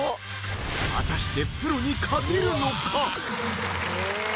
果たしてプロに勝てるのか？